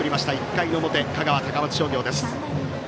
１回の表香川・高松商業です。